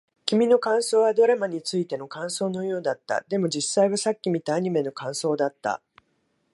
君の感想はドラマについての感想のようだった。でも、実際はさっき見たアニメの感想だった。